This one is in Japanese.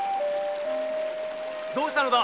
どうしたのだ？